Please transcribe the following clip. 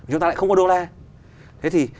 chúng ta lại không có đô la thế thì